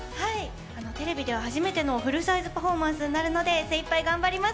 テレビでは初めてのフルサイズパフォーマンスになるので精いっぱい頑張ります！